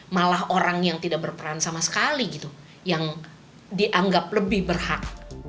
malah orang yang tidak berperan sama sekali gitu yang dianggap lebih berhak